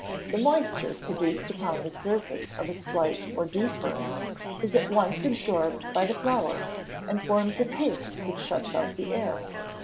The moisture produced upon the surface of a slight or deep burn is at once absorbed by the flour, and forms a paste which shuts out the air.